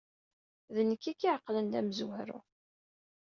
D nekk ay k-iɛeqlen d amezwaru.